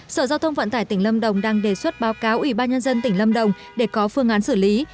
sở giao thông vận tải tỉnh lâm đồng đang đề xuất báo cáo ủy ban nhân dân tỉnh lâm đồng để có phương án xử lý